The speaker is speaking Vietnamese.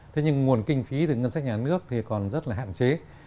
thế nhưng nguồn kinh phí từ ngân sách nhà nước thì còn rất là hạn chế